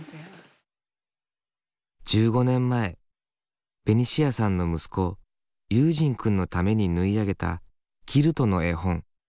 １５年前ベニシアさんの息子悠仁君のために縫い上げたキルトの絵本。